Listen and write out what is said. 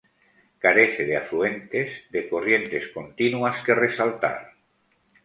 Carece de afluentes de corrientes continuas que resaltar.